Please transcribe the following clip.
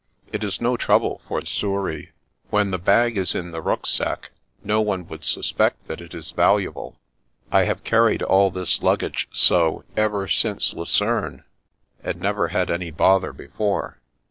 It is no trouble for Souris. When the bag is in the rucksack, no one would suspect that it is valuable. I have carried all this luggage so, ever since Lucerne, and never had any bother before."